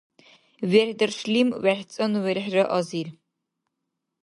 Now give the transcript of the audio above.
верхӀдаршлим верхӀцӀанну верхӀра азир